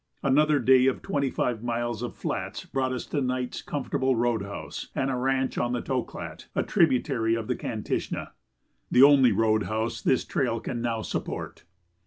Another day of twenty five miles of flats brought us to Knight's comfortable road house and ranch on the Toklat, a tributary of the Kantishna, the only road house this trail can now support.